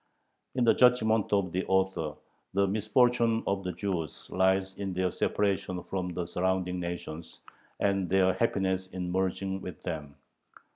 In the judgment of the author, the misfortune of the Jews lies in their separation from the surrounding nations, and their happiness in merging with them.